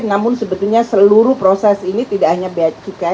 namun sebetulnya seluruh proses ini tidak hanya bea cukai